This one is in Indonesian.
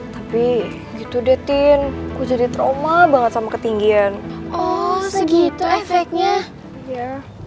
tapi gitu deh tin ku jadi trauma banget sama ketinggian oh segitu efeknya ya